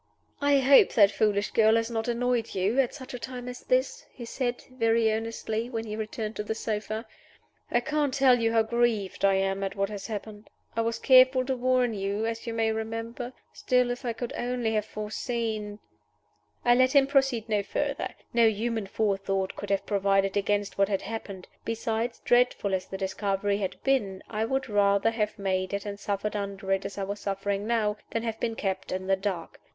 "I hope that foolish girl has not annoyed you at such a time as this," he said, very earnestly, when he returned to the sofa. "I can't tell you how grieved I am at what has happened. I was careful to warn you, as you may remember. Still, if I could only have foreseen " I let him proceed no further. No human forethought could have provided against what had happened. Besides, dreadful as the discovery had been, I would rather have made it, and suffered under it, as I was suffering now, than have been kept in the dark.